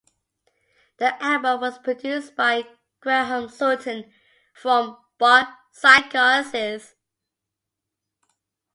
The album was produced by Graham Sutton from Bark Psychosis.